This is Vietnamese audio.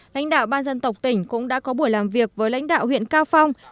lãnh đạo ban dân tộc tỉnh cũng đã có buổi làm việc với lãnh đạo huyện cao phong